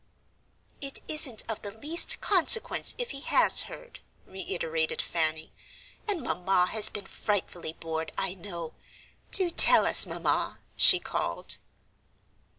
"It isn't of the least consequence if he has heard," reiterated Fanny, "and Mamma has been frightfully bored, I know. Do tell us, Mamma," she called.